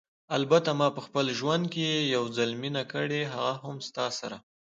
البته ما په خپل ژوند کې یو ځل مینه کړې، هغه هم ستا سره.